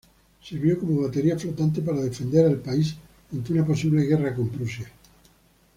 Sirvió como batería flotante para defender al país ante una posible guerra con Prusia.